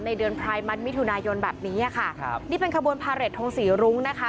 เดือนพรายมันมิถุนายนแบบนี้ค่ะครับนี่เป็นขบวนพาเรททงศรีรุ้งนะคะ